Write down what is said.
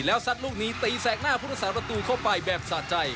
แล้วสัตว์ลูกนี้ตีแสกหน้าภูเวษาระตูเข้าไปแบบสะใจ